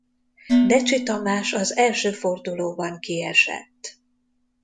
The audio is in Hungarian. Decsi Tamás az első fordulóban kiesett.